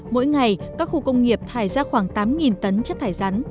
mỗi ngày các khu công nghiệp thải ra khoảng tám tấn chất thải rắn